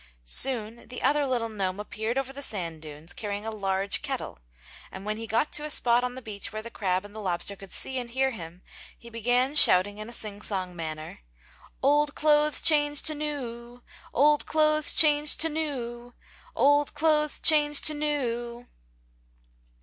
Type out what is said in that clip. Soon the other little gnome appeared over the sand dunes carrying a large kettle, and when he got to a spot on the beach where the crab and the lobster could see and hear him he began shouting in a sing song manner: "Old clothes changed to new! Old clothes changed to new! Old clothes changed to new!"